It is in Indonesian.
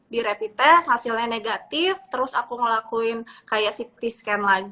direpi tes hasilnya negatif terus aku ngelakuin kayak ct scan lagi